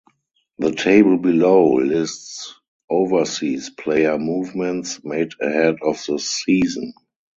The table below lists overseas player movements made ahead of the season.